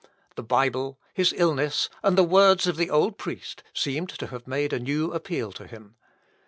The Bible, his illness, and the words of the old priest, seemed to have made a new appeal to him.